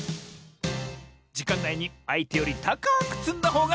じかんないにあいてよりたかくつんだほうがかちサボよ！